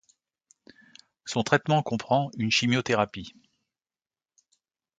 Son traitement comprend une chimiothérapie.